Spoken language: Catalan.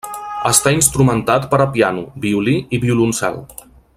Està instrumentat per a piano, violí i violoncel.